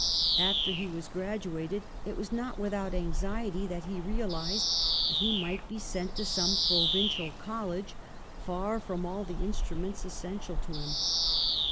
After he was gradu ated it was not without anxiety that he realised that he might be sent to some provincial col lege, far from all the instruments essential to him.